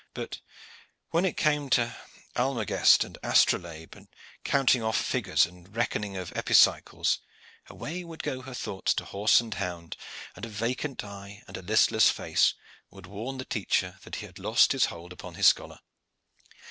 But when it came to almagest and astrolabe, the counting of figures and reckoning of epicycles, away would go her thoughts to horse and hound, and a vacant eye and listless face would warn the teacher that he had lost his hold upon his scholar.